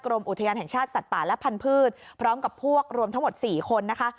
กรมอุทยานแห่งชาติสัตว์ป่าและพันธุ์พร้อมกับพวกรวมทั้งหมด๔คนนะคะ